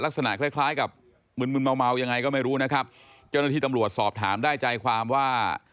ลักษณะคล้ายคล้ายกับมึนมึนเมาเมายังไงก็ไม่รู้นะครับเจ้าหน้าที่ตำรวจสอบถามได้ใจความว่า